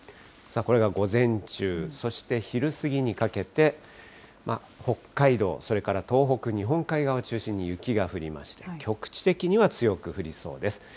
これが午前中、そして昼過ぎにかけて、北海道、それから東北、日本海側を中心に雪が降りまして、局地的には強く降りそうです。